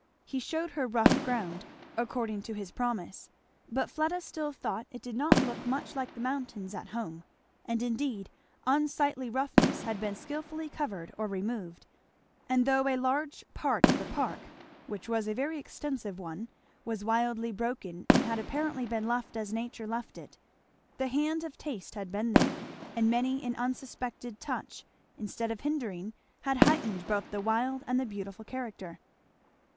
He shewed her rough ground, according to his promise, but Fleda still thought it did not look much like the mountains "at home." And indeed unsightly roughnesses had been skilfully covered or removed; and though a large part of the park, which was a very extensive one, was wildly broken and had apparently been left as nature left it, the hand of taste had been there; and many an unsuspected touch instead of hindering had heightened both the wild and the beautiful character.